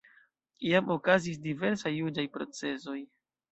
Jam okazis diversaj juĝaj procesoj.